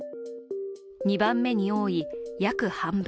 ２番目に多い「約半分」